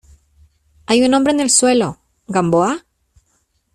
hay un hombre en el suelo. ¿ Gamboa?